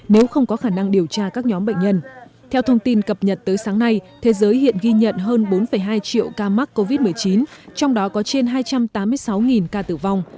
nếu không có khả năng điều tra các nhóm bệnh nhân theo thông tin cập nhật tới sáng nay thế giới hiện ghi nhận hơn bốn hai triệu ca mắc covid một mươi chín trong đó có trên hai trăm tám mươi sáu ca tử vong